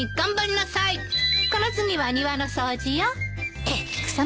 この次は庭の掃除よ。